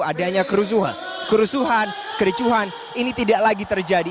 adanya kerusuhan kericuhan ini tidak lagi terjadi